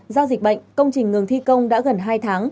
do dịch bệnh công trình ngừng thi công đã gần hai tháng